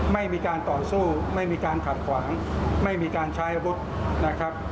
ไม่มีการต่อสู้ไม่มีการขัดขวางไม่มีการใช้อาวุธนะครับ